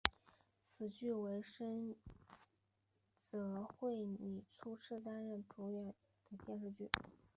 此剧为深津绘里初次担任主演的电视剧。